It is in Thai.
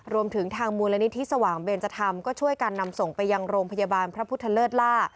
รวมถึงทางมูลนิธิสว่างเบนจธรรมก็ช่วยกันนำส่งไปยังโรงพยาบาลพระพุทธเลิศล่า